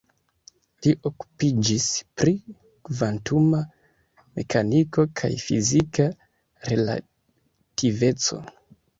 Li okupiĝis pri kvantuma mekaniko kaj fizika relativeco.